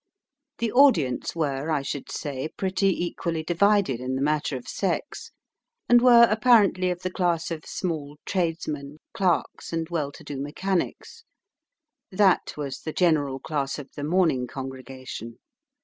The audience were, I should say, pretty equally divided in the matter of sex, and were apparently of the class of small tradesmen, clerks, and well to do mechanics; that was the general class of the morning congregation.